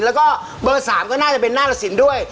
แล้วก็เบอร์๓ก็น่าจะเป็นหน้าตะสินด้วย